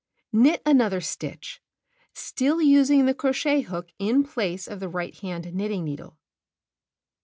"Knit another stitch, still using the crochet hook in place of the right hand knitting needle.